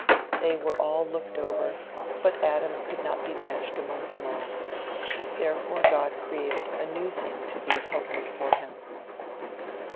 They were all looked over, but Adam could not be matched among them all. Therefore God created a new thing to be a helpmeet for him."